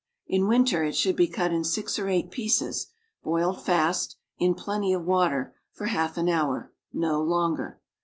In winter it should be cut in six or eight pieces, boiled fast, in plenty of water, for half an hour, no longer.